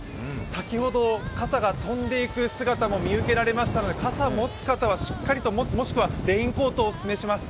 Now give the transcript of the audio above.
先ほど傘が飛んでいく姿も見受けられましたので傘を持つ方はしっかりと持つ、もしくはレインコートをお勧めします。